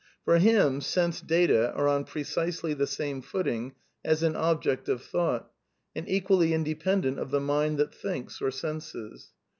Por him sense data are on precisely the same footing as an " object of thought," and equally independent of the mind that thinks or senses.